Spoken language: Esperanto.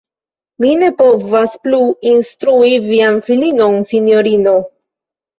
Mi ne povas plu instrui vian filinon, sinjorino.